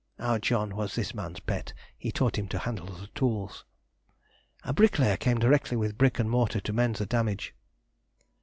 (Our John was this man's pet, he taught him to handle the tools). A bricklayer came directly with brick and mortar to mend the damage.